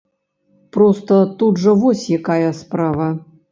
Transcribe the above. Проста тут жа вось якая справа.